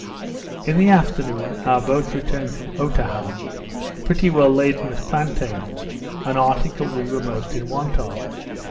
In the afternoon, our boats returned from Otaha, pretty well laden with plantains, an article we were most in want of.